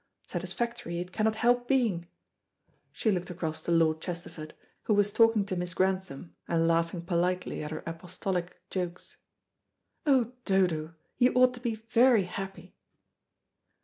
Satisfactory it cannot help being." She looked across to Lord Chesterford, who was talking to Miss Grantham, and laughing politely at her apostolic jokes. "Oh, Dodo, you ought to be very happy!"